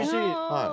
はい。